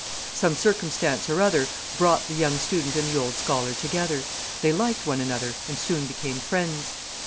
Some circumstance or other brought the young student and the old scholar together; they liked one another, and soon became friends.